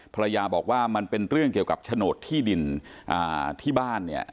ภรรยาบอกว่ามันเป็นเรื่องเกี่ยวกับโฉนดที่ดินที่บ้านเนี่ย